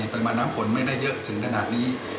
ปริมาณน้ำฝนไม่ได้เยอะถึงขนาดนี้